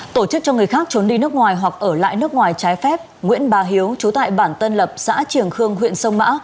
tổ chức cho người khác trốn đi nước ngoài hoặc ở lại nước ngoài trái phép nguyễn bà hiếu trú tại bản tân lập xã triềng khương huyện sông mã